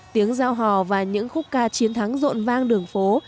tiếng giao hò và những khúc ca chiến thắng rộn vang đường phố